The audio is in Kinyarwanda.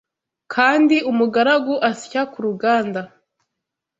kandi umugaragu asya ku ruganda